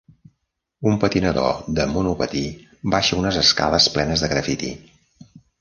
Un patinador de monopatí baixa unes escales plenes de grafiti.